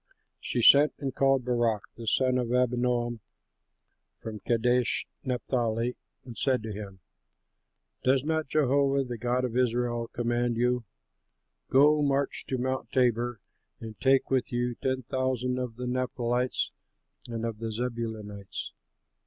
She sent and called Barak, the son of Abinoam, from Kadesh Naphtali and said to him, "Does not Jehovah the God of Israel command you: 'Go, march to Mount Tabor and take with you ten thousand of the Naphtalites and of the Zebulunites?